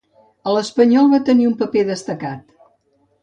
A l'Espanyol va tenir un paper destacat.